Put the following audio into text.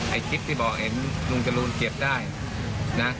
ไอ้คลิปที่บอกเห็นลุงจรูนเก็บได้นะ